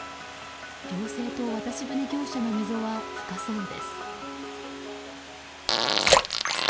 行政と渡し船業者の溝は深そうです。